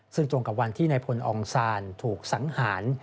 ซึ่งตรงกับวันที่นายพลองซานถูกสังหาร